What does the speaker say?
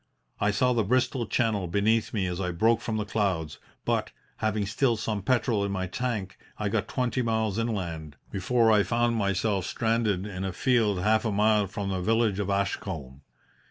I saw the Bristol Channel beneath me as I broke from the clouds, but, having still some petrol in my tank, I got twenty miles inland before I found myself stranded in a field half a mile from the village of Ashcombe.